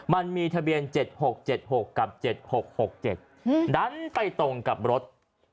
มันมีทะเบียน๗๖๗๖กับ๗๖๖๗ดันไปตรงกับรถ